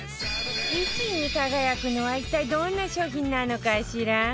１位に輝くのは一体どんな商品なのかしら？